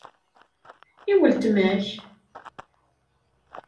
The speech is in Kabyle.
I weltma-k?